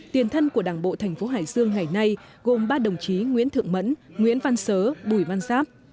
tiền thân của đảng bộ thành phố hải dương ngày nay gồm ba đồng chí nguyễn thượng mẫn nguyễn văn sớ bùi văn giáp